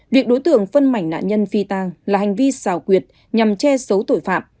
việc đối tượng phân mảnh nạn nhân phi tang là hành vi xào quyệt nhằm che giấu tội phạm